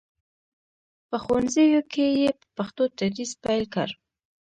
په ښوونځیو کې یې په پښتو تدریس پیل کړ.